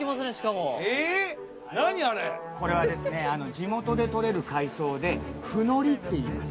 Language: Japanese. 地元でとれる海藻でフノリっていいます。